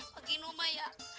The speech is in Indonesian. pak gino mah ya